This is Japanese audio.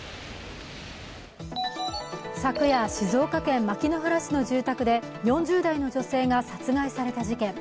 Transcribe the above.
昨夜、静岡県牧之原市の住宅で４０代の女性が殺害された事件。